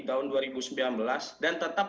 tahun dua ribu sembilan belas dan tetap